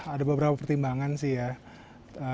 ada beberapa pertimbangan sih ya